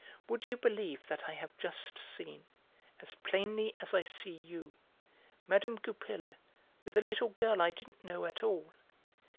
Would you believe that I have just seen, as plainly as I see you, Mme. Goupil with a little girl I didn't know at all.